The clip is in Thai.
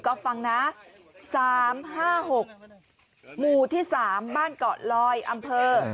ก็ฟังนะสามห้าหกหมู่ที่สามบ้านเกาะลอยอำเภอ